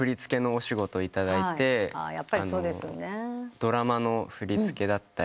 ドラマの振り付けだったり。